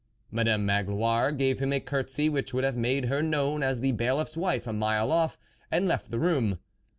Madame Magloire gave him a curtsey which would have made her known as the Bailiff's wife a mile off, and left the room.